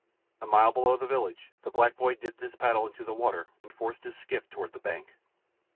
A mile below the village the black boy dipped his paddle into the water and forced his skiff toward the bank.